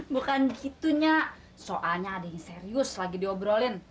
bukan gitunya soalnya ada yang serius lagi diobrolin